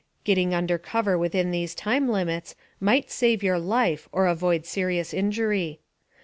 Getting under cover within these time limits might save your life or avoid serious injury.